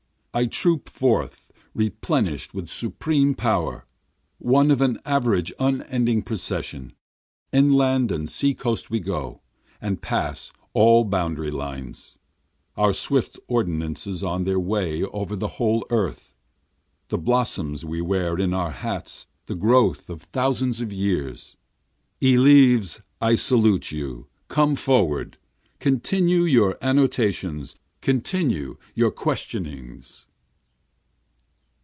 I troop forth replenish'd with supreme power, one of an average unending procession, Inland and sea coast we go, and pass all boundary lines, Our swift ordinances on their way over the whole earth, The blossoms we wear in our hats the growth of thousands of years. Eleves, I salute you! come forward! Continue your annotations, continue your questionings.